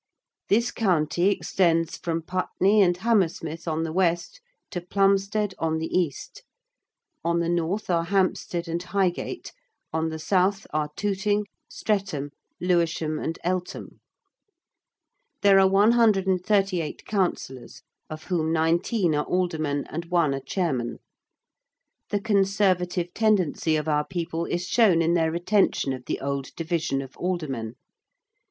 This County extends from Putney and Hammersmith on the West to Plumstead on the East: on the North are Hampstead and Highgate; on the South are Tooting, Streatham, Lewisham and Eltham. There are 138 Councillors, of whom 19 are Aldermen and one a Chairman. The conservative tendency of our people is shown in their retention of the old division of aldermen.